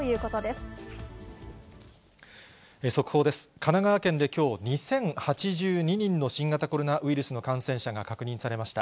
神奈川県できょう２０８２人の新型コロナウイルスの感染者が確認されました。